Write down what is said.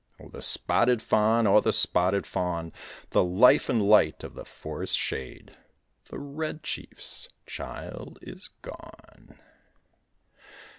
Oh, the Spotted Fawn, oh, the Spotted Fawn, The life and light of the forest shade, The Red Chief's child is gone!